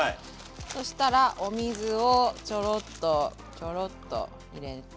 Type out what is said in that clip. そしたらお水をちょろっとちょろっと入れて。